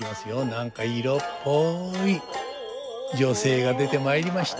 何か色っぽい女性が出てまいりました。